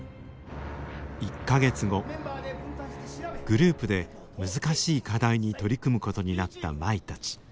グループで難しい課題に取り組むことになった舞たち。